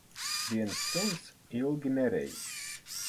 Viens suns ilgi nerej.